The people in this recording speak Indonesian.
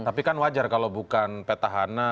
tapi kan wajar kalau bukan peta hana